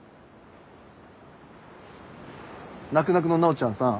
なくなくの奈緒ちゃんさん。